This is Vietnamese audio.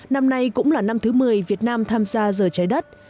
năm nay cũng là năm thứ một mươi việt nam tham gia giờ trái đất